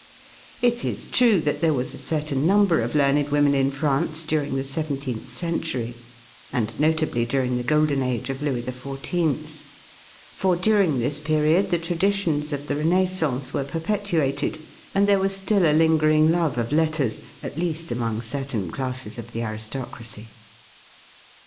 It is true that there was a certain number of learned women in France during the seventeenth century, and notably during the golden age of Louis XIV, for during this period the traditions of the Renaissance were perpetuated and there was still a lingering love of letters, at least among certain classes of the aristocracy.